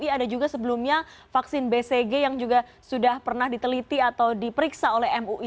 ada juga sebelumnya vaksin bcg yang juga sudah pernah diteliti atau diperiksa oleh mui